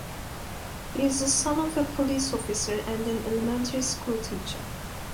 He is the son of a police officer and an elementary school teacher.